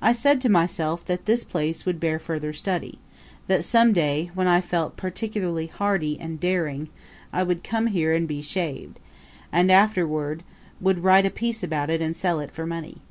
I said to myself that this place would bear further study; that some day, when I felt particularly hardy and daring, I would come here and be shaved, and afterward would write a piece about it and sell it for money.